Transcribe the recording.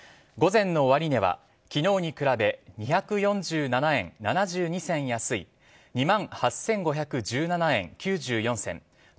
午前の終値は昨日に比べ２４７円７２銭安い２万８５１７円９４銭。